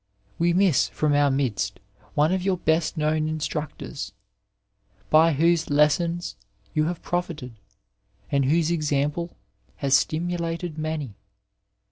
'' We miss from our midst one of your best known instructors, by whose lessons you have profited, and whose example has stimulated many.